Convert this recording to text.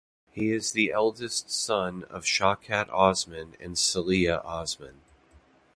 He is the eldest son of Shawkat Osman and Saleha Osman.